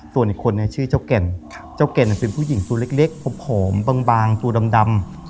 ส่วนอีกคนชื่อเจ้าแก่นเจ้าแก่นเป็นผู้หญิงตัวเล็กผอมบางตัวดำ